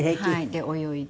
で泳いで。